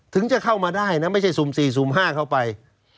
ถึงจะเข้ามาได้นะไม่ใช่สุ่ม๔สุ่ม๕เข้าไป